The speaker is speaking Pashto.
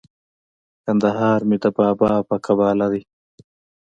کندهار مي د بابا په قباله دی